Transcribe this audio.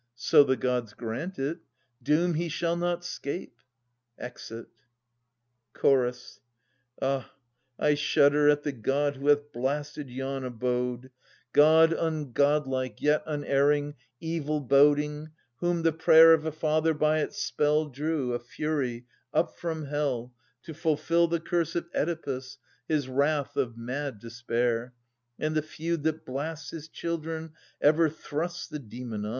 So the Gods grant it, doom he shall not 'scape. \ExiU Chorus. (Str. i) Ah, I shudder at the God who hath blasted yon abode — 720 God ungodlike, yet unerring, evil boding, whom the prayer Of a father by its spell drew, a Fury, up from hell To fulfil the curse of Oedipus, his wrath of mad despair: And the feud that blasts his children ever thrusts the demon on.